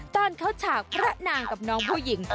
ตอนเข้าฉากพระนางกับน้องผู้หญิง